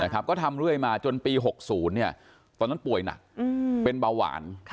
ก็ทำเรื่อยมาจนปี๖๐ตอนนั้นป่วยหนักเป็นเบาหวาน